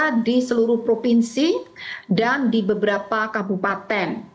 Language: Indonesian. ada di seluruh provinsi dan di beberapa kabupaten